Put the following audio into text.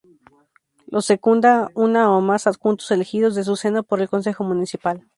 Lo secunda uno o más adjuntos elegidos de su seno por el consejo municipal.